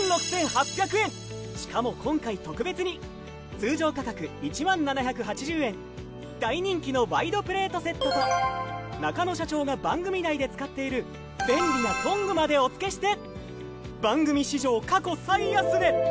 しかも今回特別に通常価格１０，７８０円大人気のワイドプレートセットと中野社長が番組内で使っている便利なトングまでお付けして。